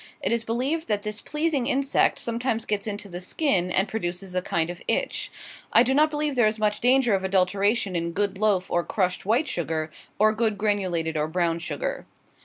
It is believed that this pleasing insect sometimes gets into the skin, and produces a kind of itch. I do not believe there is much danger of adulteration in good loaf or crushed white sugar, or good granulated or brown sugar.